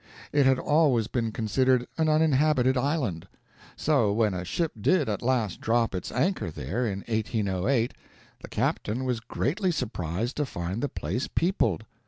It had always been considered an uninhabited island; so when a ship did at last drop its anchor there, in 1808, the captain was greatly surprised to find the place peopled.